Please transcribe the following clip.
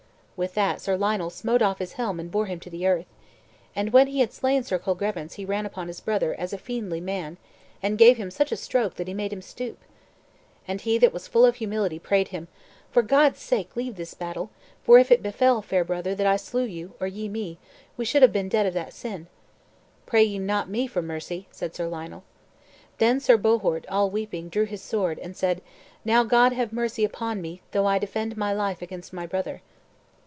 With that, Sir Lionel smote off his helm and bore him to the earth. And when he had slain Sir Colgrevance he ran upon his brother as a fiendly man, and gave him such a stroke that he made him stoop. And he that was full of humility prayed him, "for God's sake leave this battle, for if it befell, fair brother, that I slew you, or ye me, we should be dead of that sin." "Pray ye not me for mercy," said Sir Lionel. Then Sir Bohort, all weeping, drew his sword, and said, "Now God have mercy upon me, though I defend my life against my brother."